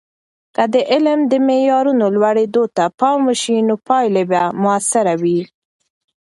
که د علم د معیارونو لوړیدو ته پام وسي، نو پایلې به موثرې وي.